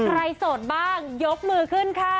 โสดบ้างยกมือขึ้นค่ะ